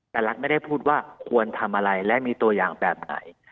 แต่รัฐไม่ได้พูดว่าควรทำอะไรและมีตัวอย่างแบบไหน